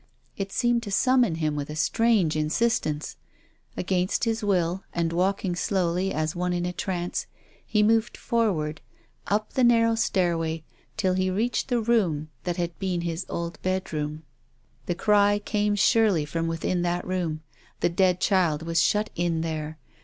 It seemed to summon him with a strange insistence. Against his will, and walking slowly as one in a trance, he moved forward up the narrow stairway till he reached the room that had been his old bedroom. The cry came surely from within that room. The dead child was shut in there.